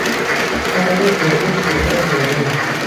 هغه اوس د برس فشار کموي.